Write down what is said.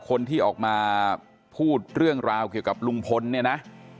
คนที่ออกมาพูดเรื่องราวเกี่ยวกับลุงพลเนี่ยนะ